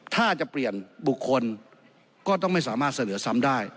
ถ้าจะเปลี่ยนบุคคลก็ต้องไม่สามารถเสนอซ้ำได้